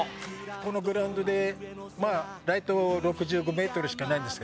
このグラウンドでライト６５メートルしかないんですよ。